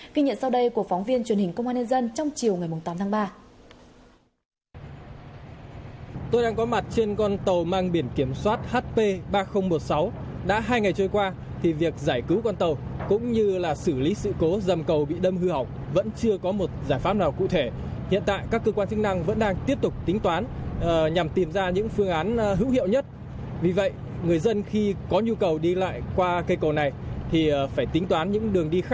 khi nhận sau đây của phóng viên truyền hình công an nhân dân trong chiều ngày tám tháng ba